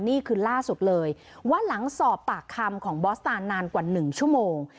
นี่คือล่าสุดเลยว่าหลังสอบปากคำของบอสตานนานกว่า๑ชั่วโมง